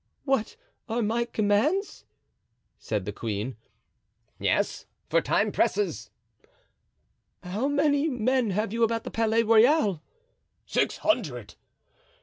"What are my commands?" said the queen. "Yes, for time presses." "How many men have you about the Palais Royal?" "Six hundred."